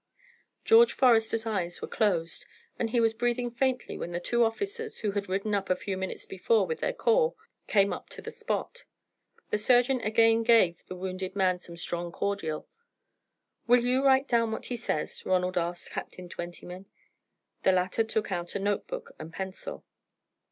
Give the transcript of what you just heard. George Forester's eyes were closed, and he was breathing faintly when the two officers, who had ridden up a few minutes before with their corps, came up to the spot. The surgeon again gave the wounded man some strong cordial. "Will you write down what he says?" Ronald asked Captain Twentyman. The latter took out a note book and pencil.